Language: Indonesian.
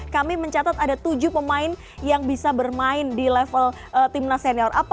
kami mencatat ada tujuh pemain yang bisa bermain di level timnas senior